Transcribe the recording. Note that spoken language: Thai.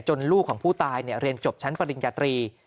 ลูกของผู้ตายเรียนจบชั้นปริญญาตรี